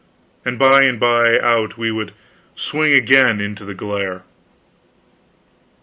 And by and by out we would swing again into the glare.